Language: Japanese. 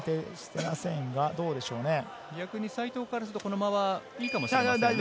西藤からすると、この間はいいかもしれませんね。